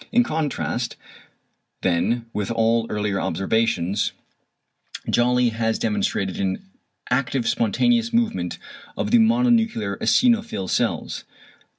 In contrast then with all earlier observations, Jolly has demonstrated an active spontaneous movement of the mononuclear eosinophil cells.